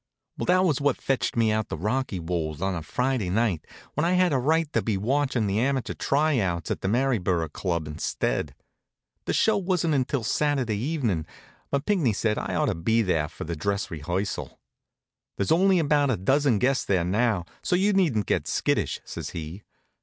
Well, that was what fetched me out to Rockywold on a Friday night, when I had a right to be watchin' the amateur try outs at the Maryborough Club instead. The show wasn't until Saturday evenin', but Pinckney said I ought to be there for the dress rehearsal. "There's only about a dozen guests there now, so you needn't get skittish," says he.